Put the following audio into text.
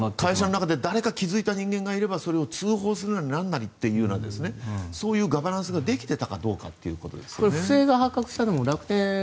会社の中で気付いた人間がいればそれを通報するなりなんなりというようなガバナンスができていたかどうかということですね。